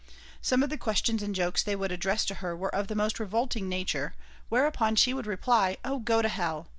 Some of the questions and jokes they would address to her were of the most revolting nature, whereupon she would reply, "Oh, go to hell!"